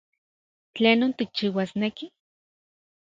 ¿Tlenon tikchiuasneki?